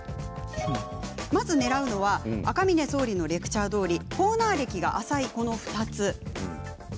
まず、ねらうのは赤嶺総理のレクチャーどおりコーナー歴が浅いこの２つ。